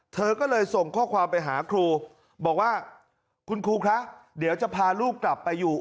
เธอก็เลยส่งข้อความไปหาครูบอกว่าคุณครูคะเดี๋ยวจะพาลูกกลับไปอยู่